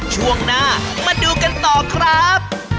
ช่วงหน้ามาดูกันต่อครับ